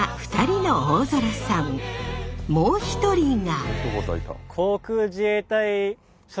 もう一人が。